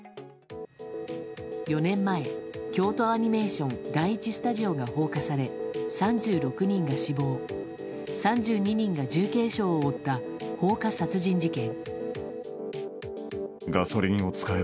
４年前京都アニメーション第１スタジオが放火され３６人が死亡３２人が重軽傷を負った放火殺人事件。